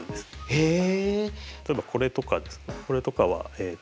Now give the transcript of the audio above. へえ。